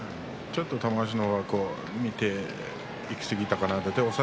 玉鷲の方が見ていきすぎたかな。